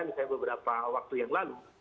misalnya beberapa waktu yang lalu